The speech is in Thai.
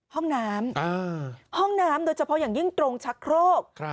ห้องน้ำห้องน้ำโดยเฉพาะอย่างยิ่งตรงชักโครก